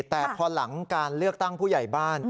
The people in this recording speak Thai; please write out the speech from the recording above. แต่พอหลังการเลือกตั้งผู้ใหญ่บ้าน